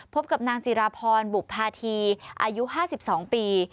พบกับนางจิราพรบุภาธีอายุ๕๒ปี